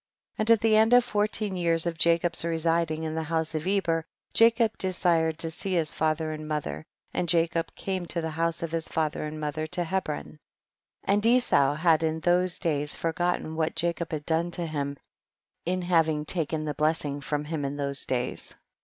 20. And at the end of fourteen years of Jacob's residing in the house of Eber, Jacob desired to see his father and mother, and Jacob came to the house of his father and mother to Hebron, and Esau had in those days forgotten what Jacob had done to him in having taken the blessing from him in those days.